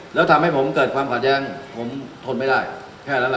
แล้วทำให้ผมเกิดความขัดแย้งผมทนไม่ได้แค่นั้นล่ะ